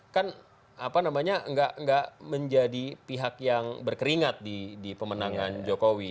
kan apa namanya nggak menjadi pihak yang berkeringat di pemenangan jokowi